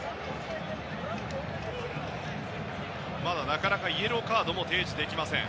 なかなかイエローカードも提示できません。